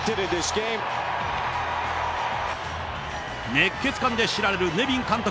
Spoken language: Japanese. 熱血漢で知られるネビン監督。